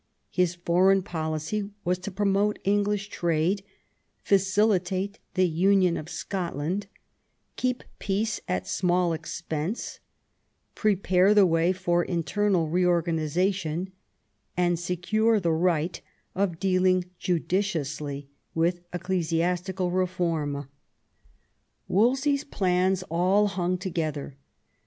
His foreign policy was to promote English trade, facilitate the union of Scotland, keep peace at small expense, prepare the way for internal re organisa tion, and secure the right of dealing judiciously with ecclesiastical reform. Wolsey's plans all hung together.